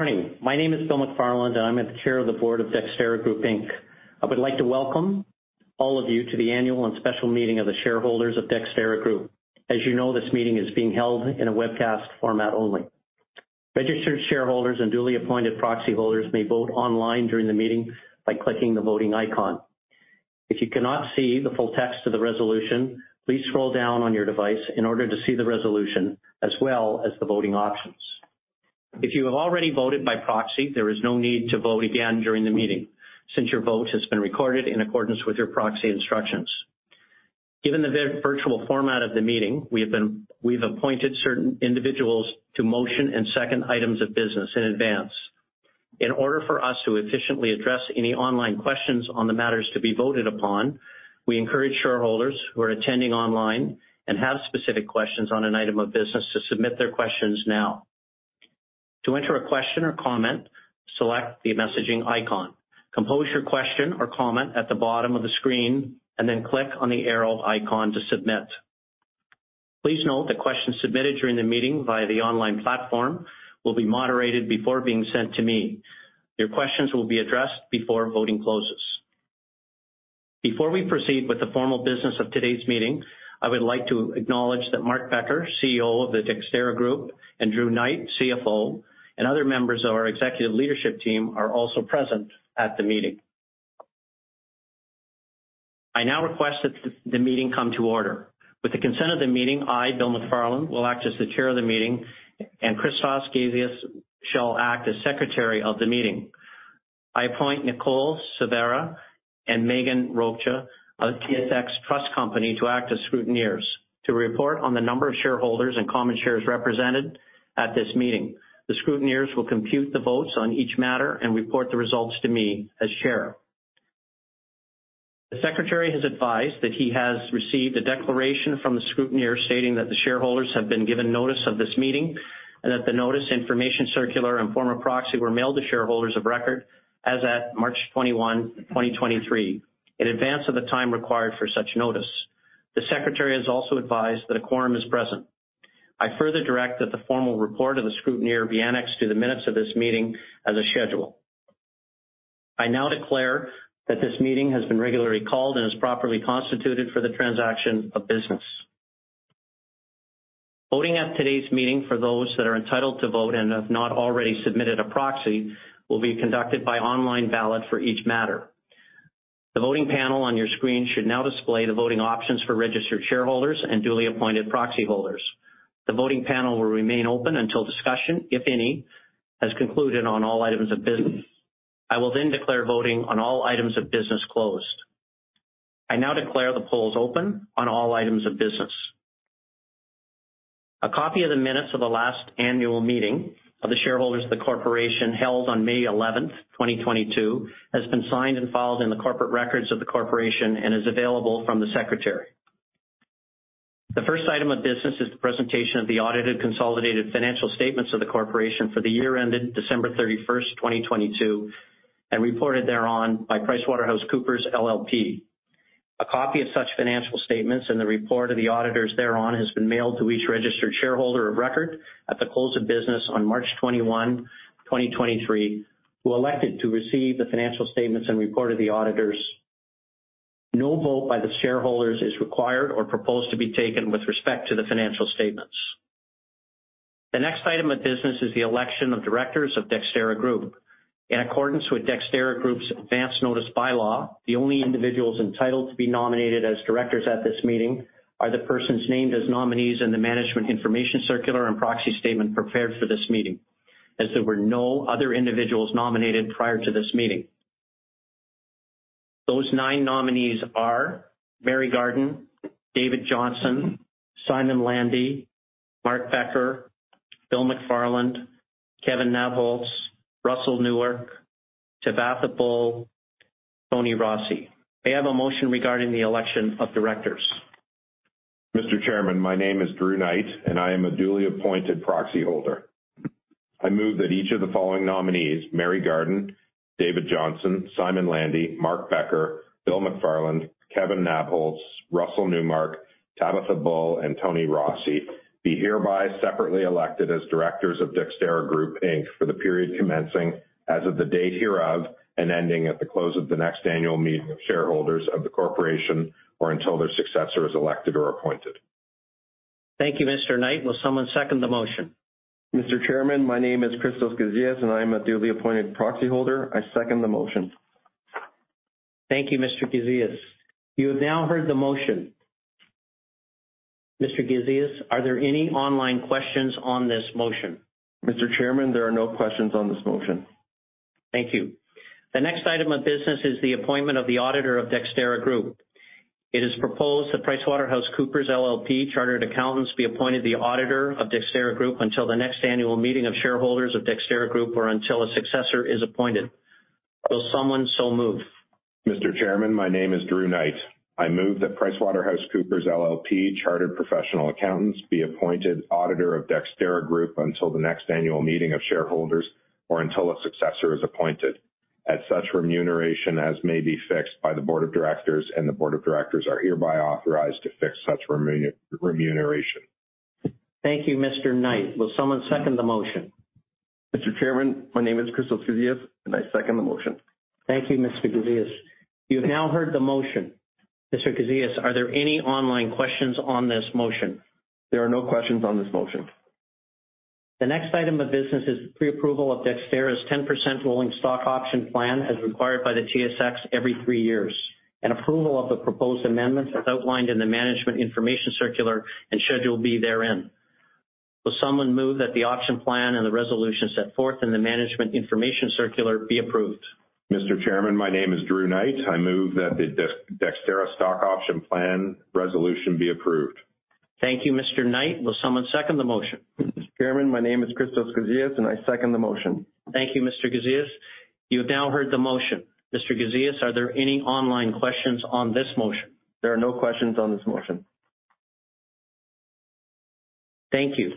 Morning. My name is Bill McFarland, and I'm the Chair of the Board of Dexterra Group Inc. I would like to welcome all of you to the annual and special meeting of the shareholders of Dexterra Group. As you know, this meeting is being held in a webcast format only. Registered shareholders and duly appointed proxy holders may vote online during the meeting by clicking the voting icon. If you cannot see the full text of the resolution, please scroll down on your device in order to see the resolution as well as the voting options. If you have already voted by proxy, there is no need to vote again during the meeting since your vote has been recorded in accordance with your proxy instructions. Given the virtual format of the meeting, we've appointed certain individuals to motion and second items of business in advance. In order for us to efficiently address any online questions on the matters to be voted upon, we encourage shareholders who are attending online and have specific questions on an item of business to submit their questions now. To enter a question or comment, select the messaging icon. Compose your question or comment at the bottom of the screen, and then click on the arrow icon to submit. Please note that questions submitted during the meeting via the online platform will be moderated before being sent to me. Your questions will be addressed before voting closes. Before we proceed with the formal business of today's meeting, I would like to acknowledge that Mark Becker, CEO of the Dexterra Group, and Drew Knight, CFO, and other members of our executive leadership team are also present at the meeting. I now request that the meeting come to order. With the consent of the meeting, I, Bill McFarland, will act as the chair of the meeting, and Christos Gazeas shall act as secretary of the meeting. I appoint Nicole Severa and Megan Rocha of TSX Trust Company to act as scrutineers to report on the number of shareholders and common shares represented at this meeting. The scrutineers will compute the votes on each matter and report the results to me as chair. The secretary has advised that he has received a declaration from the scrutineers stating that the shareholders have been given notice of this meeting and that the notice, information circular, and form of proxy were mailed to shareholders of record as at March 21, 2023 in advance of the time required for such notice. The secretary has also advised that a quorum is present. I further direct that the formal report of the scrutineer be annexed to the minutes of this meeting as a schedule. I now declare that this meeting has been regularly called and is properly constituted for the transaction of business. Voting at today's meeting for those that are entitled to vote and have not already submitted a proxy will be conducted by online ballot for each matter. The voting panel on your screen should now display the voting options for registered shareholders and duly appointed proxy holders. The voting panel will remain open until discussion, if any, has concluded on all items of business. I will then declare voting on all items of business closed. I now declare the polls open on all items of business. A copy of the minutes of the last annual meeting of the shareholders of the corporation held on May 11, 2022, has been signed and filed in the corporate records of the corporation and is available from the secretary. The first item of business is the presentation of the audited consolidated financial statements of the corporation for the year ended December 31st, 2022 and reported thereon by PricewaterhouseCoopers LLP. A copy of such financial statements and the report of the auditors thereon has been mailed to each registered shareholder of record at the close of business on March 21, 2023, who elected to receive the financial statements and report of the auditors. No vote by the shareholders is required or proposed to be taken with respect to the financial statements. The next item of business is the election of directors of Dexterra Group. In accordance with Dexterra Group's advanced notice bylaw, the only individuals entitled to be nominated as directors at this meeting are the persons named as nominees in the management information circular and proxy statement prepared for this meeting, as there were no other individuals nominated prior to this meeting. Those nine nominees are Mary Garden, David Johnston, Simon Landy, Mark Becker, Bill McFarland, Kevin Nabholz, Russell A. Newmark, Tabatha Bull, Toni Rossi. May I have a motion regarding the election of directors? Mr. Chairman, my name is Drew Knight, and I am a duly appointed proxy holder. I move that each of the following nominees, Mary Garden, David Johnston, Simon Landy, Mark Becker, Bill McFarland, Kevin Nabholz, Russell Newmark, Tabatha Bull, and Toni Rossi, be hereby separately elected as directors of Dexterra Group Inc. for the period commencing as of the date hereof and ending at the close of the next annual meeting of shareholders of the corporation or until their successor is elected or appointed. Thank you, Mr. Knight. Will someone second the motion? Mr. Chairman, my name is Christos Gazeas, and I am a duly appointed proxy holder. I second the motion. Thank you, Mr. Gazeas. You have now heard the motion. Mr. Gazeas, are there any online questions on this motion? Mr. Chairman, there are no questions on this motion. Thank you. The next item of business is the appointment of the auditor of Dexterra Group. It is proposed that PricewaterhouseCoopers LLP Chartered Accountants be appointed the auditor of Dexterra Group until the next annual meeting of shareholders of Dexterra Group or until a successor is appointed. Will someone so move? Mr. Chairman, my name is Drew Knight. I move that PricewaterhouseCoopers LLP Chartered Professional Accountants be appointed auditor of Dexterra Group until the next annual meeting of shareholders or until a successor is appointed. At such remuneration as may be fixed by the board of directors, and the board of directors are hereby authorized to fix such remuneration. Thank you, Mr. Knight. Will someone second the motion? Mr. Chairman, my name is Christos Gazeas, and I second the motion. Thank you, Mr. Gazeas. You have now heard the motion. Mr. Gazeas, are there any online questions on this motion? There are no questions on this motion. The next item of business is pre-approval of Dexterra's 10% rolling stock option plan as required by the TSX every three years, and approval of the proposed amendments as outlined in the management information circular and Schedule B therein. Will someone move that the option plan and the resolution set forth in the management information circular be approved? Mr. Chairman, my name is Drew Knight. I move that the Dexterra stock option plan resolution be approved. Thank you, Mr. Knight. Will someone second the motion? Chairman, my name is Christos Gazeas, and I second the motion. Thank you, Mr. Gazeas. You have now heard the motion. Mr. Gazeas, are there any online questions on this motion? There are no questions on this motion. Thank you.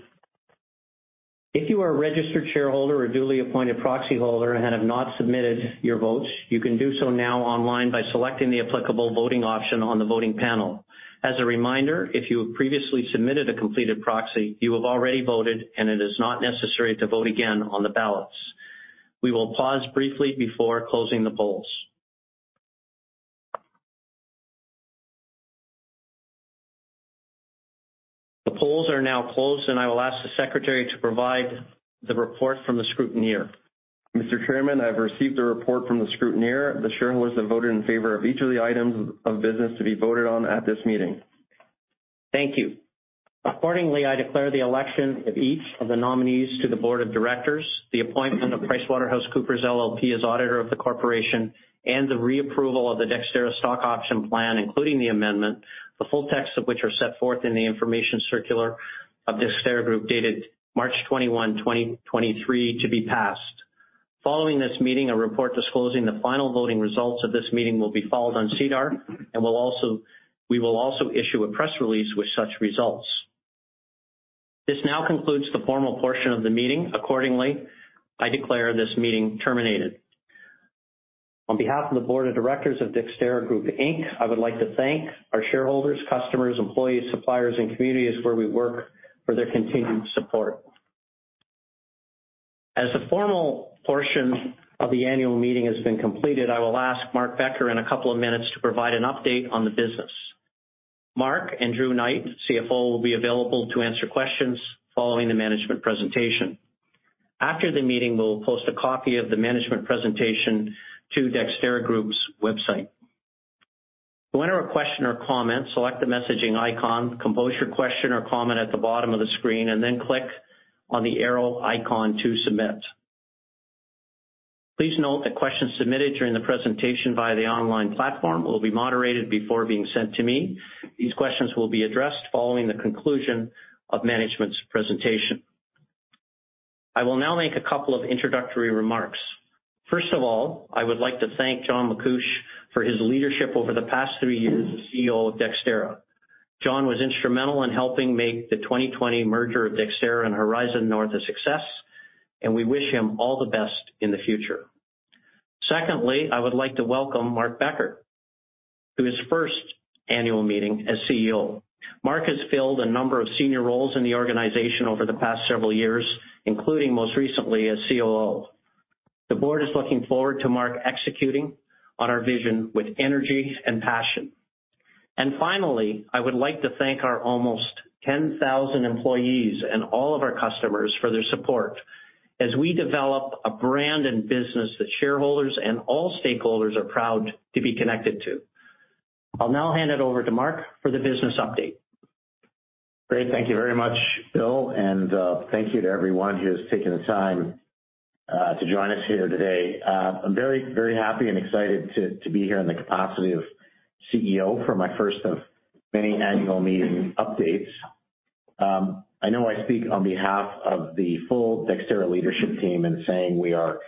If you are a registered shareholder or duly appointed proxyholder and have not submitted your votes, you can do so now online by selecting the applicable voting option on the voting panel. As a reminder, if you have previously submitted a completed proxy, you have already voted, and it is not necessary to vote again on the ballots. We will pause briefly before closing the polls. The polls are now closed, and I will ask the secretary to provide the report from the scrutineer. Mr. Chairman, I've received a report from the scrutineer. The shareholders have voted in favor of each of the items of business to be voted on at this meeting. Thank you. Accordingly, I declare the election of each of the nominees to the board of directors, the appointment of PricewaterhouseCoopers LLP as auditor of the corporation, and the reapproval of the Dexterra stock option plan, including the amendment, the full text of which are set forth in the information circular of Dexterra Group dated March 21, 2023, to be passed. Following this meeting, a report disclosing the final voting results of this meeting will be filed on SEDAR, and we will also issue a press release with such results. This now concludes the formal portion of the meeting. Accordingly, I declare this meeting terminated. On behalf of the Board of Directors of Dexterra Group Inc., I would like to thank our shareholders, customers, employees, suppliers, and communities where we work for their continued support. As the formal portion of the annual meeting has been completed, I will ask Mark Becker in a couple of minutes to provide an update on the business. Mark and Drew Knight, CFO, will be available to answer questions following the management presentation. After the meeting, we will post a copy of the management presentation to Dexterra Group's website. To enter a question or comment, select the messaging icon, compose your question or comment at the bottom of the screen, and then click on the arrow icon to submit. Please note that questions submitted during the presentation via the online platform will be moderated before being sent to me. These questions will be addressed following the conclusion of management's presentation. I will now make a couple of introductory remarks. First of all, I would like to thank John MacCuish for his leadership over the past three years as CEO of Dexterra. John was instrumental in helping make the 2020 merger of Dexterra and Horizon North a success, and we wish him all the best in the future. Secondly, I would like to welcome Mark Becker to his first annual meeting as CEO. Mark has filled a number of senior roles in the organization over the past several years, including most recently as COO. The board is looking forward to Mark executing on our vision with energy and passion. Finally, I would like to thank our almost 10,000 employees and all of our customers for their support as we develop a brand and business that shareholders and all stakeholders are proud to be connected to. I'll now hand it over to Mark for the business update. Great. Thank you very much, Bill. Thank you to everyone who has taken the time to join us here today. I'm very, very happy and excited to be here in the capacity of CEO for my first of many annual meeting updates. I know I speak on behalf of the full Dexterra leadership team in saying we are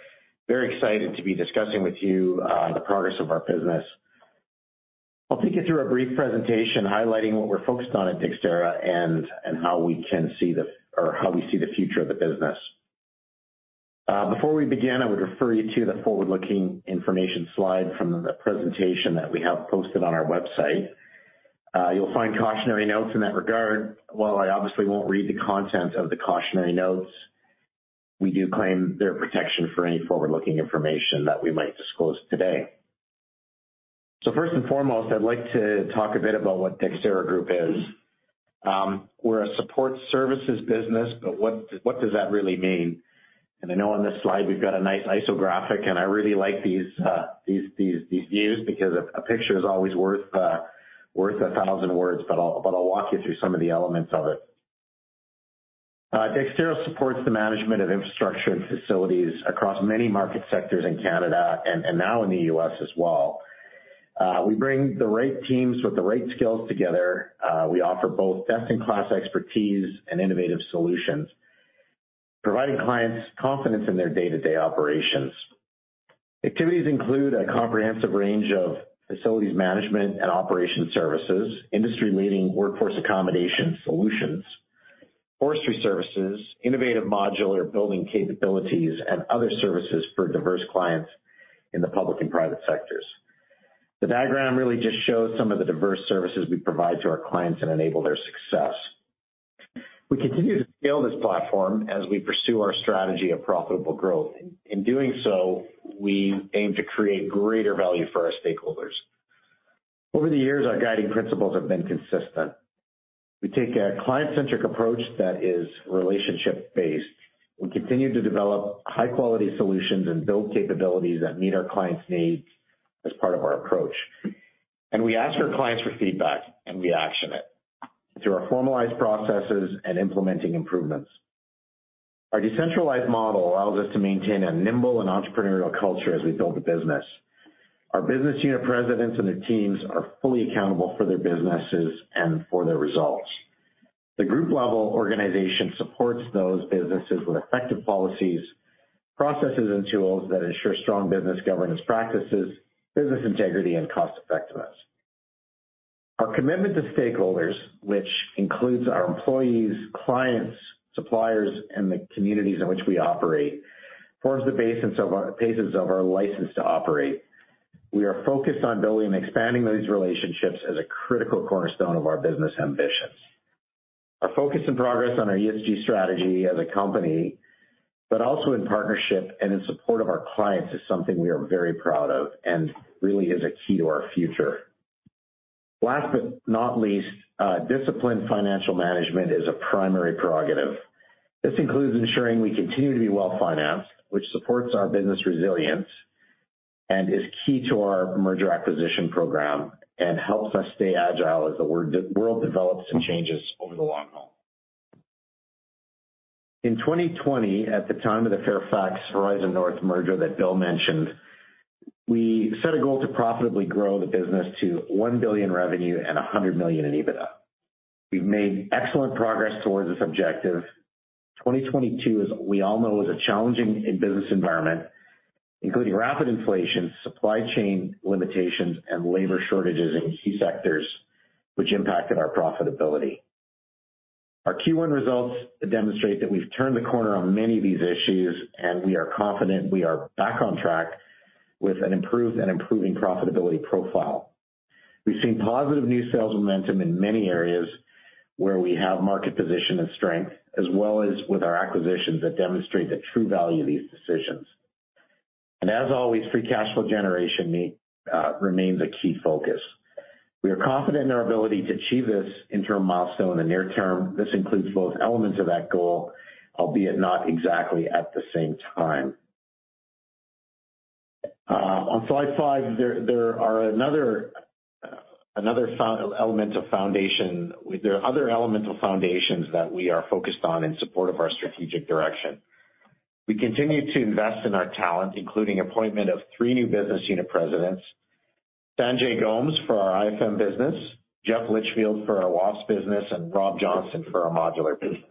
very excited to be discussing with you the progress of our business. I'll take you through a brief presentation highlighting what we're focused on at Dexterra and how we see the future of the business. Before we begin, I would refer you to the forward-looking information slide from the presentation that we have posted on our website. You'll find cautionary notes in that regard. While I obviously won't read the content of the cautionary notes, we do claim their protection for any forward-looking information that we might disclose today. First and foremost, I'd like to talk a bit about what Dexterra Group is. We're a support services business, but what does that really mean? I know on this slide we've got a nice infographic, and I really like these views because a picture is always worth a thousand words, but I'll walk you through some of the elements of it. Dexterra supports the management of infrastructure and facilities across many market sectors in Canada and now in the U.S. as well. We bring the right teams with the right skills together. We offer both best-in-class expertise and innovative solutions, providing clients confidence in their day-to-day operations. Activities include a comprehensive range of facilities management and operation services, industry-leading workforce accommodation solutions, forestry services, innovative modular building capabilities, and other services for diverse clients in the public and private sectors. The diagram really just shows some of the diverse services we provide to our clients that enable their success. We continue to scale this platform as we pursue our strategy of profitable growth. In doing so, we aim to create greater value for our stakeholders. Over the years, our guiding principles have been consistent. We take a client-centric approach that is relationship-based. We continue to develop high-quality solutions and build capabilities that meet our clients' needs as part of our approach. We ask our clients for feedback and we action it through our formalized processes and implementing improvements. Our decentralized model allows us to maintain a nimble and entrepreneurial culture as we build the business. Our business unit presidents and their teams are fully accountable for their businesses and for their results. The group level organization supports those businesses with effective policies, processes and tools that ensure strong business governance practices, business integrity and cost-effectiveness. Our commitment to stakeholders, which includes our employees, clients, suppliers, and the communities in which we operate, forms the basis of our license to operate. We are focused on building and expanding these relationships as a critical cornerstone of our business ambitions. Our focus and progress on our ESG strategy as a company, but also in partnership and in support of our clients is something we are very proud of and really is a key to our future. Last but not least, disciplined financial management is a primary prerogative. This includes ensuring we continue to be well-financed, which supports our business resilience and is key to our merger acquisition program and helps us stay agile as the world develops and changes over the long haul. In 2020, at the time of the Fairfax/Horizon North merger that Bill mentioned, we set a goal to profitably grow the business to 1 billion revenue and 100 million in EBITDA. We've made excellent progress towards this objective. 2022, as we all know, is a challenging business environment, including rapid inflation, supply chain limitations, and labor shortages in key sectors which impacted our profitability. Our Q1 results demonstrate that we've turned the corner on many of these issues, and we are confident we are back on track with an improved and improving profitability profile. We've seen positive new sales momentum in many areas where we have market position and strength, as well as with our acquisitions that demonstrate the true value of these decisions. As always, free cash flow generation remains a key focus. We are confident in our ability to achieve this interim milestone in the near term. This includes both elements of that goal, albeit not exactly at the same time. On slide five, there are another element of foundation. There are other elemental foundations that we are focused on in support of our strategic direction. We continue to invest in our talent, including appointment of three new business unit presidents, Sanjay Gomes for our IFM business, Jeff Litchfield for our WAFES business, and Rob Johnson for our Modular business.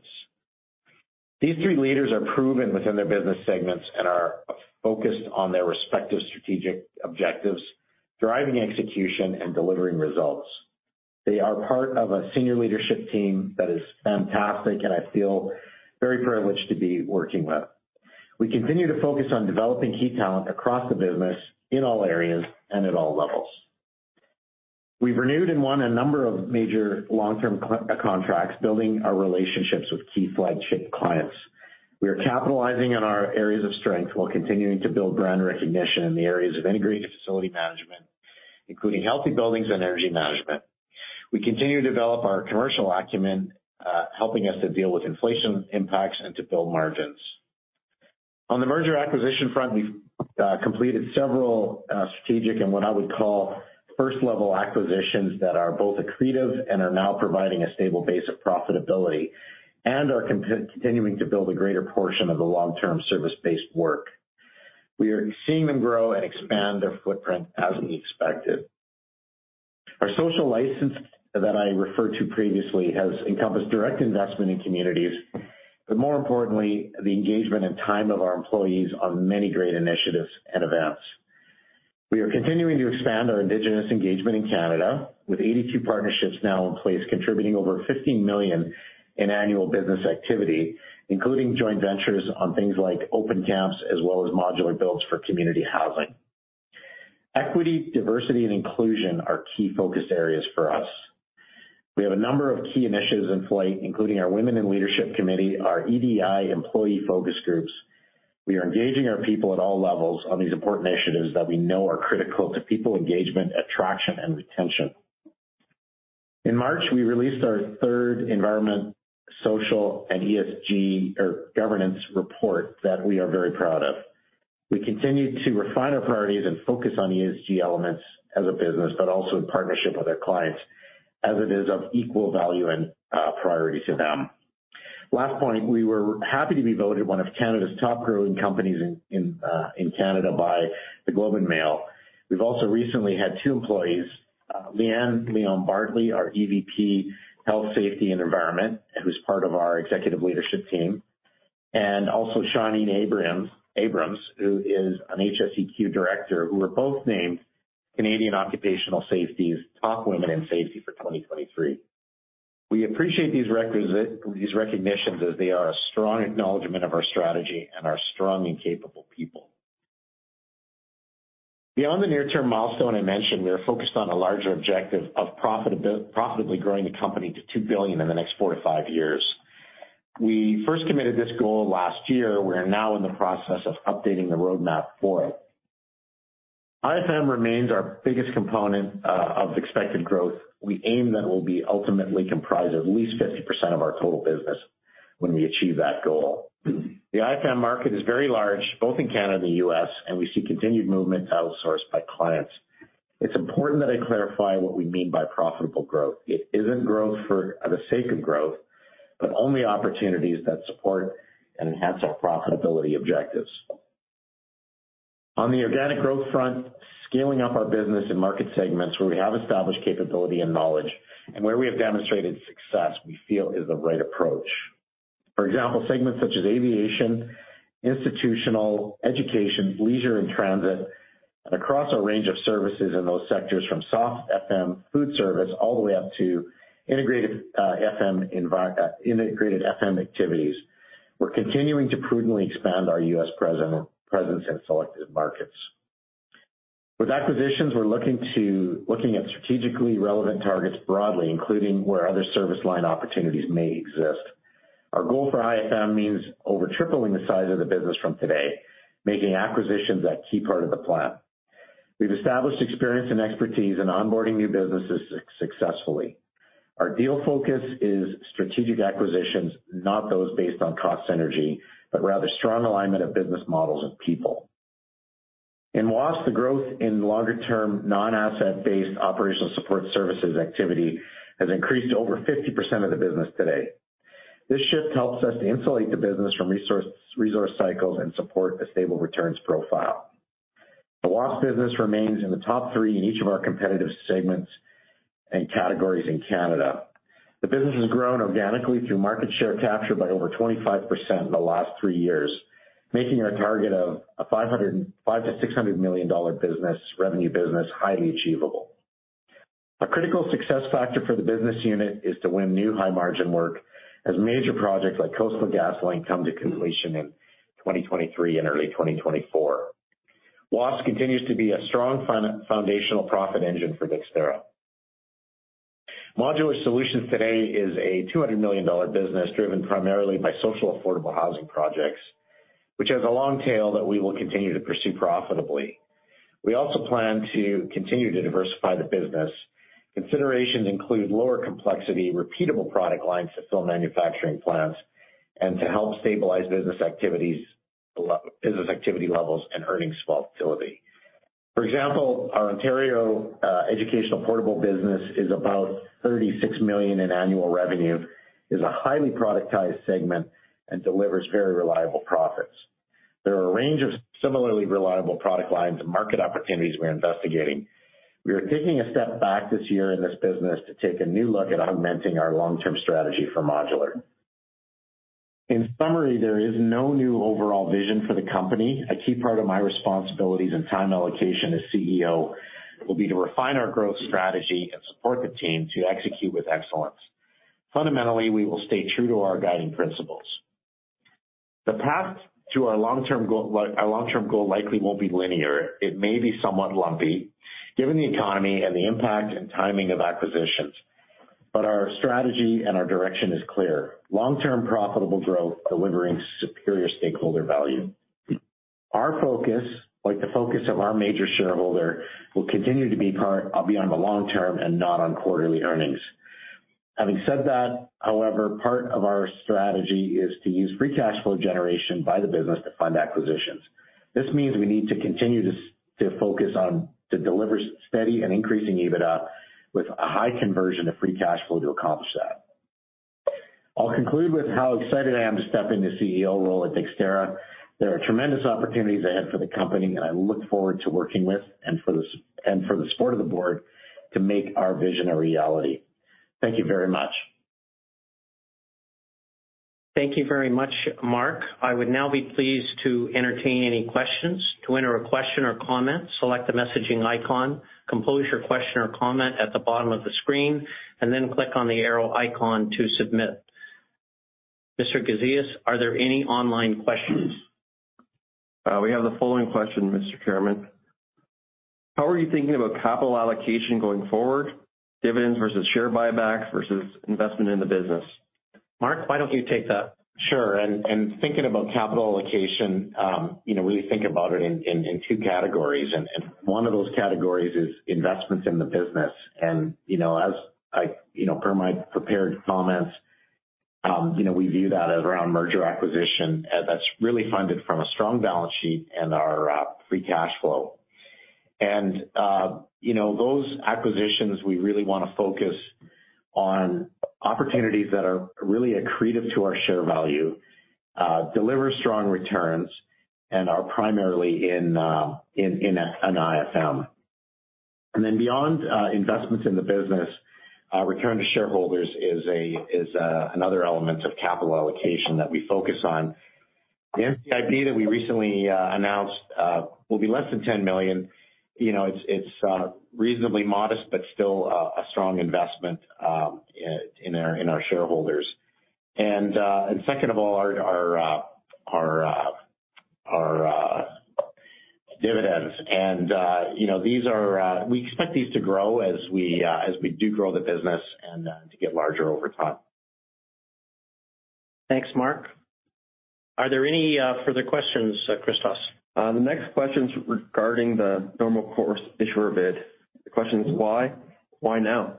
These three leaders are proven within their business segments and are focused on their respective strategic objectives, driving execution and delivering results. They are part of a senior leadership team that is fantastic and I feel very privileged to be working with. We continue to focus on developing key talent across the business in all areas and at all levels. We've renewed and won a number of major long-term contracts, building our relationships with key flagship clients. We are capitalizing on our areas of strength while continuing to build brand recognition in the areas of integrated facility management, including healthy buildings and energy management. We continue to develop our commercial acumen, helping us to deal with inflation impacts and to build margins. On the merger acquisition front, we've completed several strategic and what I would call first-level acquisitions that are both accretive and are now providing a stable base of profitability and are continuing to build a greater portion of the long-term service-based work. We are seeing them grow and expand their footprint as we expected. Our social license that I referred to previously has encompassed direct investment in communities, but more importantly, the engagement and time of our employees on many great initiatives and events. We are continuing to expand our indigenous engagement in Canada with 82 partnerships now in place, contributing over 15 million in annual business activity, including joint ventures on things like open camps as well as modular builds for community housing. Equity, diversity, and inclusion are key focus areas for us. We have a number of key initiatives in flight, including our Women in Leadership committee, our EDI employee focus groups. We are engaging our people at all levels on these important initiatives that we know are critical to people engagement, attraction, and retention. In March, we released our third environmental, social and ESG or governance report that we are very proud of. We continue to refine our priorities and focus on ESG elements as a business, but also in partnership with our clients as it is of equal value and priority to them. Last point, we were happy to be voted one of Canada's top growing companies in Canada by The Globe and Mail. We've also recently had two employees, Lee-Anne Lyon-Bartley, our EVP, Health, Safety and Environment, who's part of our executive leadership team. Also Shawneen Abrams, who is an HSEQ Director, who were both named Canadian Occupational Safety's Top Women in Safety for 2023. We appreciate these recognitions as they are a strong acknowledgment of our strategy and our strong and capable people. Beyond the near-term milestone I mentioned, we are focused on a larger objective of profitably growing the company to 2 billion in the next four to five years. We first committed this goal last year. We are now in the process of updating the roadmap for it. IFM remains our biggest component of expected growth. We aim that it will be ultimately comprised of at least 50% of our total business when we achieve that goal. The IFM market is very large, both in Canada and the U.S., and we see continued movement outsourced by clients. It's important that I clarify what we mean by profitable growth. It isn't growth for the sake of growth, but only opportunities that support and enhance our profitability objectives. On the organic growth front, scaling up our business in market segments where we have established capability and knowledge and where we have demonstrated success, we feel is the right approach. For example, segments such as aviation, institutional, education, leisure, and transit, and across a range of services in those sectors from soft FM food service all the way up to integrated FM activities. We're continuing to prudently expand our U.S. presence in selected markets. With acquisitions, we're looking at strategically relevant targets broadly, including where other service line opportunities may exist. Our goal for IFM means over tripling the size of the business from today, making acquisitions a key part of the plan. We've established experience and expertise in onboarding new businesses successfully. Our deal focus is strategic acquisitions, not those based on cost synergy, but rather strong alignment of business models of people. In WAFES, the growth in longer-term, non-asset-based operational support services activity has increased over 50% of the business today. This shift helps us to insulate the business from resource cycles and support a stable returns profile. The WAFES business remains in the top three in each of our competitive segments and categories in Canada. The business has grown organically through market share capture by over 25% in the last three years, making our target of a 500 million-600 million dollar business revenue business highly achievable. A critical success factor for the business unit is to win new high-margin work as major projects like Coastal GasLink come to completion in 2023 and early 2024. WAFES continues to be a strong foundational profit engine for Dexterra. Modular Solutions today is a 200 million dollar business driven primarily by social affordable housing projects, which has a long tail that we will continue to pursue profitably. We also plan to continue to diversify the business. Considerations include lower complexity, repeatable product lines to fill manufacturing plants, and to help stabilize business activity levels and earnings volatility. For example, our Ontario educational portable business is about 36 million in annual revenue, is a highly productized segment, and delivers very reliable profits. There are a range of similarly reliable product lines and market opportunities we're investigating. We are taking a step back this year in this business to take a new look at augmenting our long-term strategy for modular. In summary, there is no new overall vision for the company. A key part of my responsibilities and time allocation as CEO will be to refine our growth strategy and support the team to execute with excellence. Fundamentally, we will stay true to our guiding principles. The path to our long-term goal likely won't be linear. It may be somewhat lumpy given the economy and the impact and timing of acquisitions. Our strategy and our direction is clear, long-term profitable growth, delivering superior stakeholder value. Our focus, like the focus of our major shareholder, will continue to be on the long term and not on quarterly earnings. Having said that, however, part of our strategy is to use free cash flow generation by the business to fund acquisitions. This means we need to continue to focus on to deliver steady and increasing EBITDA with a high conversion to free cash flow to accomplish that. I'll conclude with how excited I am to step into CEO role at Dexterra. There are tremendous opportunities ahead for the company and I look forward to working with and for the support of the board to make our vision a reality. Thank you very much. Thank you very much, Mark. I would now be pleased to entertain any questions. To enter a question or comment, select the messaging icon. Compose your question or comment at the bottom of the screen, and then click on the arrow icon to submit. Mr. Gazeas, are there any online questions? We have the following question, Mr. Chairman: "How are you thinking about capital allocation going forward, dividends versus share buybacks versus investment in the business? Mark, why don't you take that? Sure. Thinking about capital allocation, you know, we think about it in two categories. One of those categories is investments in the business. Per my prepared comments, we view that as around merger acquisition, that's really funded from a strong balance sheet and our free cash flow. Those acquisitions, we really wanna focus on opportunities that are really accretive to our share value, deliver strong returns, and are primarily in IFM. Then beyond investments in the business, return to shareholders is another element of capital allocation that we focus on. The NCIB that we recently announced will be less than 10 million. You know, it's reasonably modest but still a strong investment in our shareholders. Second of all, our dividends. You know, these are. We expect these to grow as we do grow the business and to get larger over time. Thanks, Mark. Are there any further questions, Christos? The next question's regarding the normal course issuer bid. The question is why? Why now?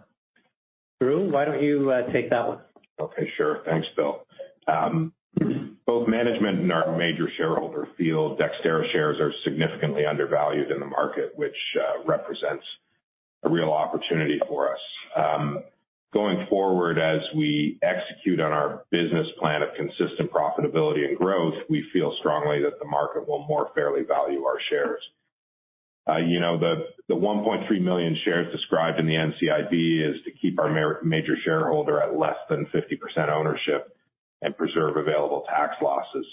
Drew, why don't you take that one? Okay. Sure. Thanks, Bill. Both management and our major shareholder feel Dexterra shares are significantly undervalued in the market, which represents a real opportunity for us. Going forward, as we execute on our business plan of consistent profitability and growth, we feel strongly that the market will more fairly value our shares. You know, the 1.3 million shares described in the NCIB is to keep our major shareholder at less than 50% ownership and preserve available tax losses.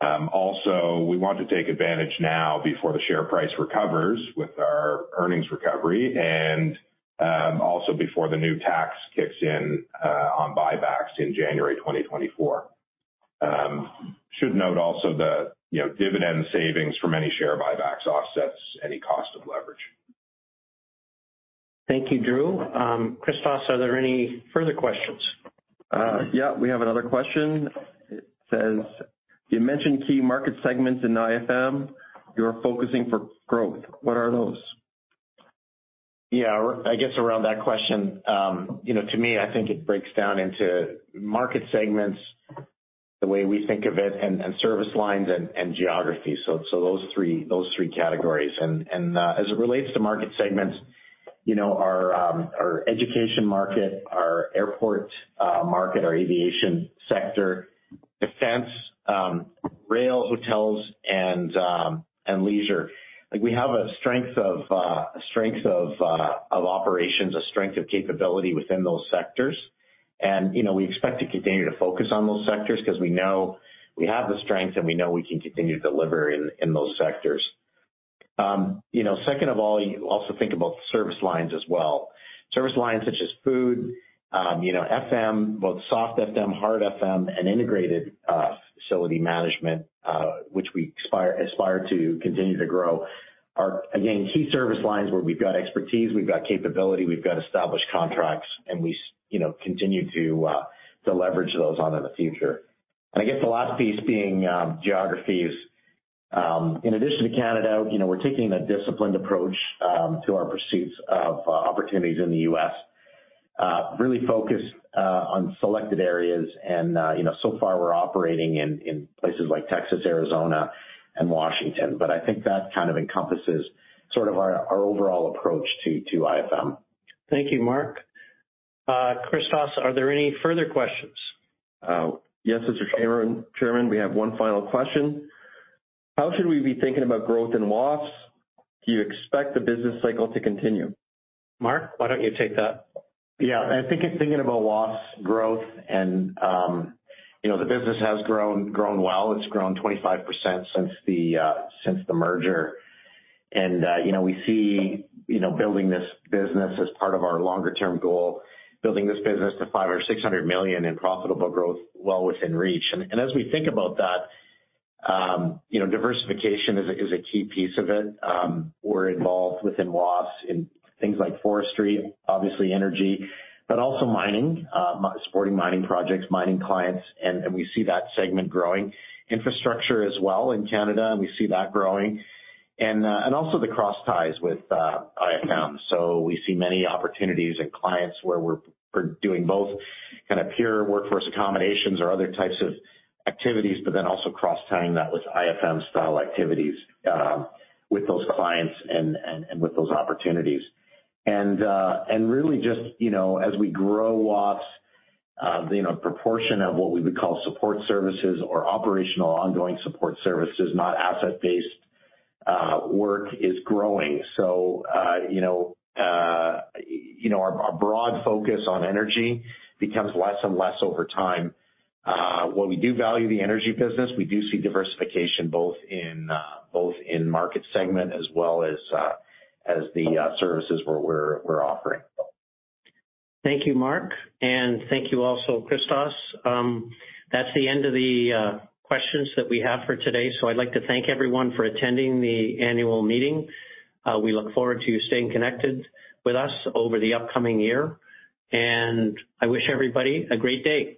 Also, we want to take advantage now before the share price recovers with our earnings recovery and also before the new tax kicks in on buybacks in January 2024. Should note also the, you know, dividend savings from any share buybacks offsets any cost of leverage. Thank you, Drew. Christos, are there any further questions? Yeah, we have another question. It says, "You mentioned key market segments in IFM you're focusing for growth. What are those? Yeah. I guess around that question, you know, to me, I think it breaks down into market segments the way we think of it and service lines and geography. Those three categories. As it relates to market segments, you know, our education market, our airport market, our aviation sector, defense, rail, hotels and leisure. Like, we have a strength of operations, a strength of capability within those sectors. You know, we expect to continue to focus on those sectors 'cause we know we have the strength, and we know we can continue to deliver in those sectors. You know, second of all, you also think about service lines as well. Service lines such as food, you know, FM, both soft FM, hard FM and integrated facility management, which we aspire to continue to grow, are again key service lines where we've got expertise, we've got capability, we've got established contracts, and we, you know, continue to leverage those on in the future. I guess the last piece being geographies. In addition to Canada, you know, we're taking a disciplined approach to our pursuits of opportunities in the U.S. Really focused on selected areas and, you know, so far we're operating in places like Texas, Arizona and Washington. I think that kind of encompasses sort of our overall approach to IFM. Thank you, Mark. Christos, are there any further questions? Yes, Mr. Chairman. We have one final question: How should we be thinking about growth in WAFES? Do you expect the business cycle to continue? Mark, why don't you take that? Yeah. I think in thinking about WAFES growth and, you know, the business has grown well. It's grown 25% since the merger. You know, we see building this business as part of our longer term goal, building this business to 500 or 600 million in profitable growth well within reach. As we think about that, you know, diversification is a key piece of it. We're involved within WAFES in things like forestry, obviously energy, but also mining. Supporting mining projects, mining clients, and we see that segment growing. Infrastructure as well in Canada, and we see that growing. Also the cross-ties with IFM. We see many opportunities and clients where we're doing both kind of pure workforce accommodations or other types of activities, but then also cross-tying that with IFM style activities, with those clients and with those opportunities. We really just, you know, as we grow WAFES, you know, proportion of what we would call support services or operational ongoing support services, not asset-based work is growing. You know, our broad focus on energy becomes less and less over time. While we do value the energy business, we do see diversification both in market segment as well as the services we're offering. Thank you, Mark. Thank you also, Christos. That's the end of the questions that we have for today. I'd like to thank everyone for attending the annual meeting. We look forward to staying connected with us over the upcoming year, and I wish everybody a great day.